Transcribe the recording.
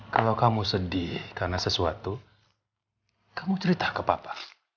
kalau kamu sedih karena sesuatu kamu cerita ke papa